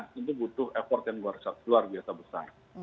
tentu butuh effort yang luar biasa besar